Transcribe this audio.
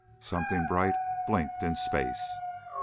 _Something bright blinked in space.